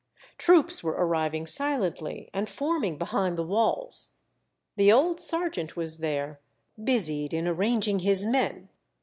Troops were arriving silently, and forming behind the walls. The old sergeant was there, busied in arranging his men.